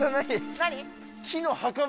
何？